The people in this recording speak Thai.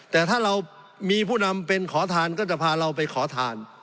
แต่ถ้าเรามีผู้นำเป็นขอทานก็จะพาเราไปขอทาน